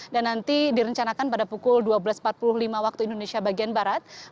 dan nanti direncanakan pada pukul dua belas empat puluh lima waktu indonesia bagian barat